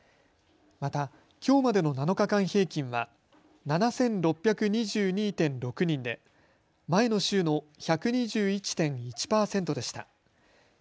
またきょうまでの７日間平均は７６２２．６人で前の週の１２１．１％でした。